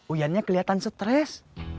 uyannya kelihatan stres